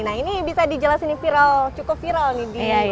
nah ini bisa dijelasin viral cukup viral nih di media sosial